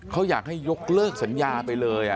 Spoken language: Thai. เขาอยากให้ยกเลิกสัญญาไปเลย